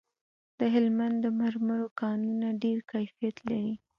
د هلمند د مرمرو کانونه ډیر کیفیت لري